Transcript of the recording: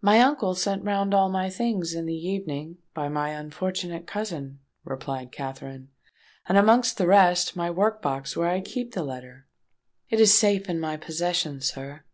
"My uncle sent round all my things in the evening, by my unfortunate cousin," replied Katherine; "and amongst the rest, my work box where I keep the letter. It is safe in my possession, sir."